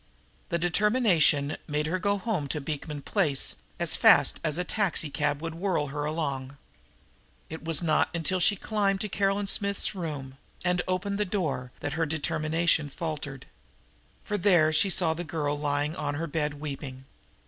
The determination made her go home to Beekman Place as fast as a taxicab would whirl her along. It was not until she had climbed to Caroline Smith's room and opened the door that her determination faltered. For there she saw the girl lying on her bed weeping.